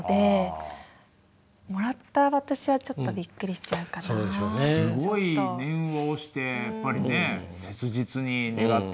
すごい念を押してやっぱりね切実に願ってるなって思う。